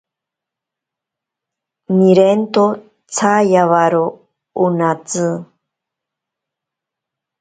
Nirento tsaiwaro onatsi.